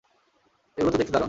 এগুলো তো দেখতে দারুণ!